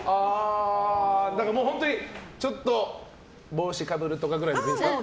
もう、本当にちょっと帽子かぶるとかぐらいですか。